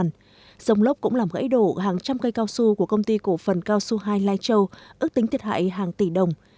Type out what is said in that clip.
ngoài ra đợt sông lốc cũng làm gãy đổ hàng trăm cây cao su của công ty cổ phần cao su hai lai châu ước tính thiệt hại hàng tỷ đồng